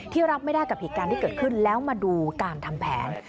รับไม่ได้กับเหตุการณ์ที่เกิดขึ้นแล้วมาดูการทำแผน